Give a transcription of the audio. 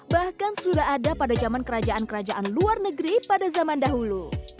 bahkan sudah ada pada zaman kerajaan kerajaan luar negeri pada zaman dahulu